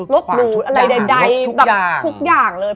หรูอะไรใดแบบทุกอย่างเลย